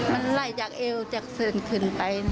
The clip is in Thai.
มันไล่จากเอวจากส่วนขึ้นไป